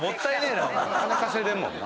金稼いでるもんな。